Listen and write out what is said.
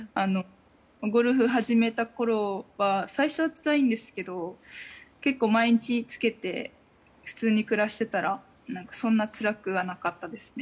ゴルフ始めたころは最初はつらいんですけど結構、毎日つけて普通に暮らしてたらそんなつらくはなかったですね。